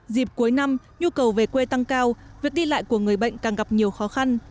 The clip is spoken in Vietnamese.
dịp cuối năm nhu cầu về quê tăng cao việc đi lại của người bệnh càng gặp nhiều khó khăn